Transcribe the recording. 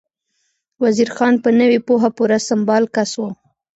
وزیر خان په نوې پوهه پوره سمبال کس و.